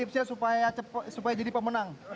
supaya supaya jadi pemenang